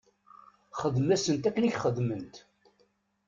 Xdem-asent akken i k-xedment.